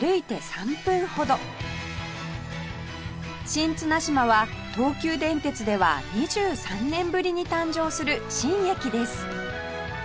新綱島は東急電鉄では２３年ぶりに誕生する新駅です